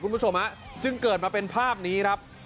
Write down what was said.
คุณผู้ชมจึงเกิดมาเป็นภาพนี้